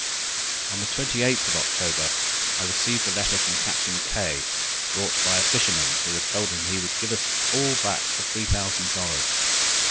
"On the 28th of October, I received a letter from Captain Kay, brought by a fisherman, who had told him he would get us all back for three thousand dollars.